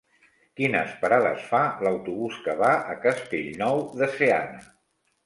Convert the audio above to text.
Quines parades fa l'autobús que va a Castellnou de Seana?